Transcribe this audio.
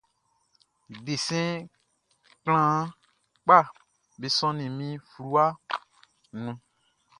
Desɛn klanhan kpaʼm be sɔnnin min fluwaʼn nun.